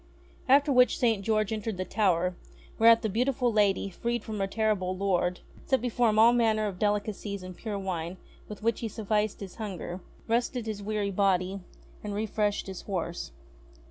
After which St. George entered the tower ; whereat the beautiful lady, freed from her terrible lord, set before him all manner of delicacies and pure wine with which he suflRced his hunger, rested his weary body, and refreshed his horse.